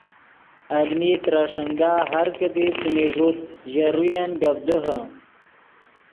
المی ترے ݰینگا ہر کیدی څیمن ݱوت ژے روین گپ دیہے